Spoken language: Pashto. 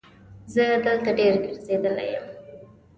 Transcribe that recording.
زه دلته ډېر ګرځېدلی یم.